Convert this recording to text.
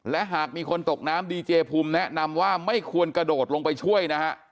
และหากมีคนตกน้ำดีเจภูมิแนะนำว่าไม่ควรกระโดดลงไปช่วยนะฮะ